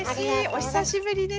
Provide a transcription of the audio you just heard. お久しぶりです。